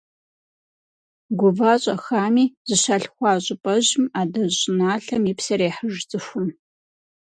Гува-щӏэхами, зыщалъхуа щӏыпӏэжьым, адэжь щӏыналъэм и псэр ехьыж цӏыхум.